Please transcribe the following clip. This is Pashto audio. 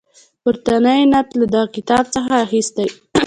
پورتنی نعت له دغه کتاب څخه اخیستی.